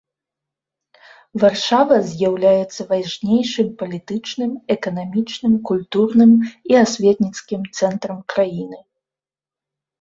Варшава з'яўляецца важнейшым палітычным, эканамічным, культурным і асветніцкім цэнтрам краіны.